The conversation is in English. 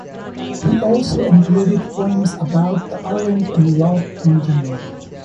He also included poems about the island and love in general.